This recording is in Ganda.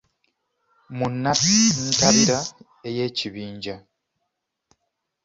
Mu nnantabira ey’ekibinja